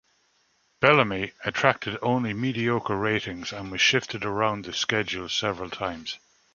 "Bellamy" attracted only mediocre ratings and was shifted around the schedules several times.